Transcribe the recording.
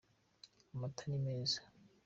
Amata ni meza.